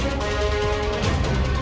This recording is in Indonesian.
tidak ada yang bisa dihukum